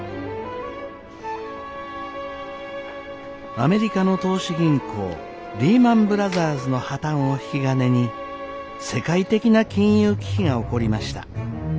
アメリカの投資銀行リーマン・ブラザーズの破綻を引き金に世界的な金融危機が起こりました。